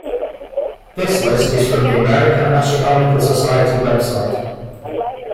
This list is from the American Astronomical Society website.